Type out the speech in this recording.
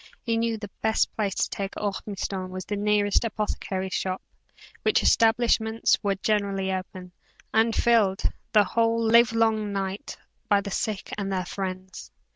He knew the best place to take Ormiston was to the nearest apothecary's shop, which establishments were generally open, and filled, the whole livelong night, by the sick and their friends.